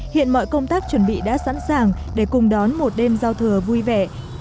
hiện mọi công tác chuẩn bị đã sẵn sàng để cùng đón một đêm giao thừa vui vẻ